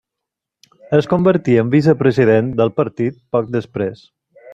Es convertí en vicepresident del partit poc després.